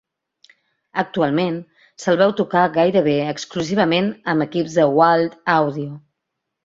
Actualment, se'l veu tocar gairebé exclusivament amb equips de Wylde Audio.